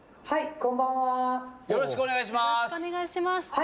はい。